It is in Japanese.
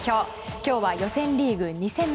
今日は予選リーグ２戦目。